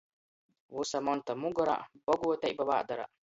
Vysa monta mugorā – boguoteiba vādarā.